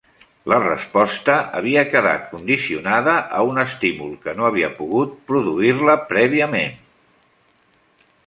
La resposta havia quedat condicionada a un estímul que no havia pogut produir-la prèviament.